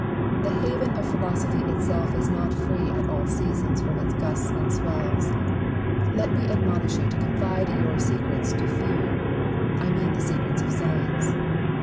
The haven of philosophy itself is not free at all seasons from its gusts and swells. Let me admonish you to confide your bccrcts to few : I mean the secrets of science.